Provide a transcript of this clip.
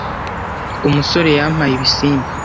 umusore yampaye ibisimba.